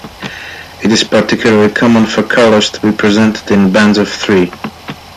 It is particularly common for colours to be presented in bands of three.